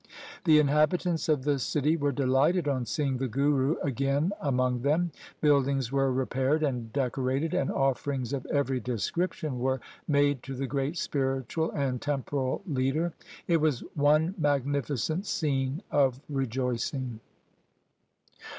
The inhabi tants of the city were delighted on seeing the Guru again among them. Buildings were repaired and decorated, and offerings of every description were made to the great spiritual and temporal leader. It was one magnificent scene of rejoicing.